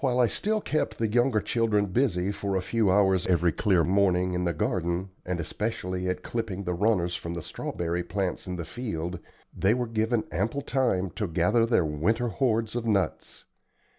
While I still kept the younger children busy for a few hours every clear morning in the garden, and especially at clipping the runners from the strawberry plants in the field, they were given ample time to gather their winter hoards of nuts.